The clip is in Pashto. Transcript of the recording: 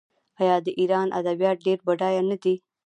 آیا د ایران ادبیات ډیر بډایه نه دي؟